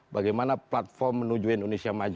bagaimana platform menuju indonesia